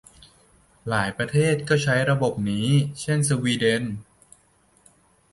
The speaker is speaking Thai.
หลายประเทศก็ใช้ระบบนี้ เช่น สวีเดน